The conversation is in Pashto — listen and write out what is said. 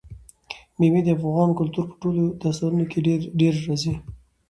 مېوې د افغان کلتور په ټولو داستانونو کې ډېره راځي.